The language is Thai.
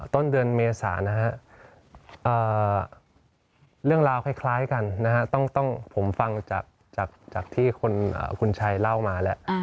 ต้นเดือนเมษานะฮะเรื่องราวคล้ายกันนะฮะต้องผมฟังจากที่คุณชัยเล่ามาแล้ว